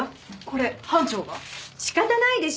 仕方ないでしょ。